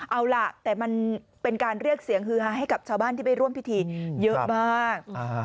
เอาล่ะแต่มันเป็นการเรียกเสียงฮือฮาให้กับชาวบ้านที่ไปร่วมพิธีเยอะมาก